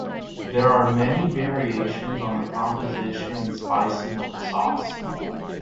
There are many variations on the composition and spicing of the sauce.